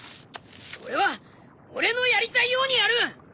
俺は俺のやりたいようにやる。